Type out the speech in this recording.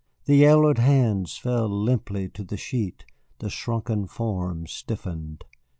The yellowed hands fell limply to the sheet, the shrunken form stiffened.